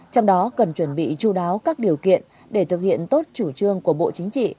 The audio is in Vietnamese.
trong đó cần chuẩn bị chú đáo các điều kiện để thực hiện tốt chủ trương của bộ chính trị